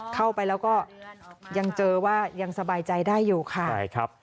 เข้าไปแล้วก็ยังเจอว่ายังสบายใจได้อยู่ค่ะใช่ครับ